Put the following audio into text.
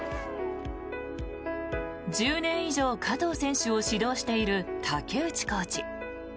１０年以上、加藤選手を指導している竹内コーチ。